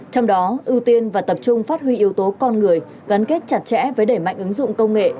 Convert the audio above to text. trong đó ưu tiên và tập trung phát huy yếu tố con người gắn kết chặt chẽ với đẩy mạnh ứng dụng công nghệ